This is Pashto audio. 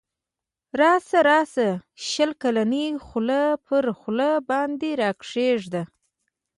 راسه راسه شل کلنی خوله پر خوله باندی را کښېږده